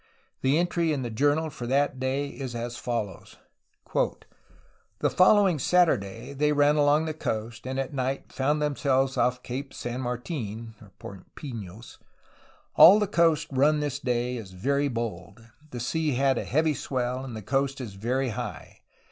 The entry in the journal for that day is as follows: "The following Saturday they ran along the coast, and at night found themselves off Cape San Martin [Point Pinos]. All the coast run this day is very bold; the sea has a heavy swell and the coast is very high.